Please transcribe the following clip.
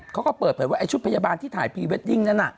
เขาก็เปิดเผยว่าไอ้ชุดพยาบาลที่ถ่ายพรีเวดดิ้งนั้น